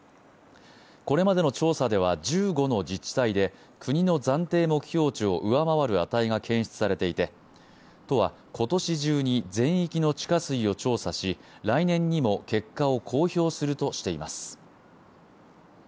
これまでの調査では１５の自治体で国の暫定目標値を上回る値が検出されていて都は今年中に全域の地下水を調査し、来年にも結果を公表するとしています。